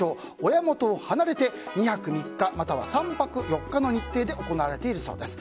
親元を離れて２泊３日か３泊４日の日程で行われているそうです。